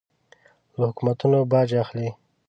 له حکومتونو باج اخلي.